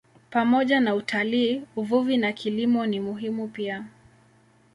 Pamoja na utalii, uvuvi na kilimo ni muhimu pia.